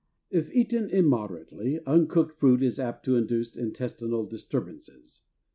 If eaten immoderately, uncooked fruit is apt to induce intestinal disturbances.